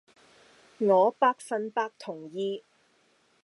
我百份百同意